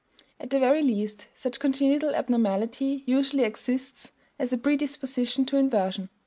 At the very least such congenital abnormality usually exists as a predisposition to inversion.